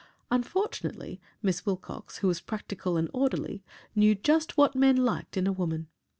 Unfortunately, Miss Wilcox, who was practical and orderly, knew just "what men liked in a woman."